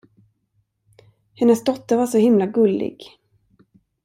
Hennes dotter var så himla gullig.